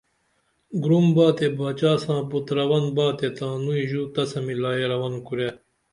گُروم با تے باچا ساں پُت رون با تے تانوئی ژو تسہ ملائی رون کُرے